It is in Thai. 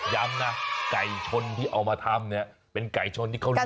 ย้ำนะไก่ชนที่เอามาทำเนี่ยเป็นไก่ชนที่เขาเลี้ยง